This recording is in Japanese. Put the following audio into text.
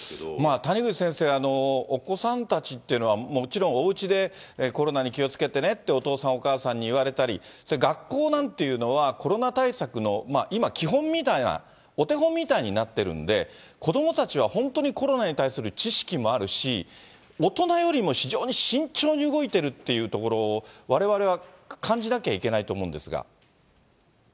谷口先生、お子さんたちっていうのは、もちろんおうちでコロナに気をつけてねってお父さんお母さんに言われたり、学校なんていうのはコロナ対策の今、基本みたいな、お手本みたいになってるんで、子どもたちは本当にコロナに対する知識もあるし、大人よりも非常に慎重に動いているというところ、われわれは感じなきゃいけないと思うんですが。